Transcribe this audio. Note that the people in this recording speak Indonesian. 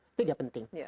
itu juga penting